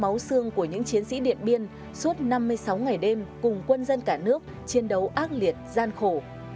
máu xương của những chiến sĩ điện biên suốt năm mươi sáu ngày đêm cùng quân dân cả nước chiến đấu ác liệt gian khổ